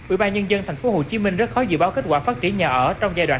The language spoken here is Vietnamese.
ủy ban nhân dân thành phố hồ chí minh rất khó dự báo kết quả phát triển nhà ở trong giai đoạn